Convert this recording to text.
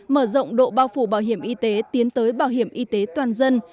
mở rộng độ bao phủ bảo hiểm y tế tiến tới bảo hiểm y tế toàn dân